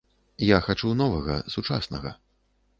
Я хачу новага, сучаснага.